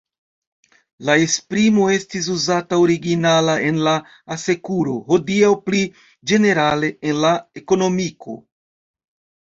La esprimo estis uzata originala en la asekuro, hodiaŭ pli ĝenerale en la ekonomiko.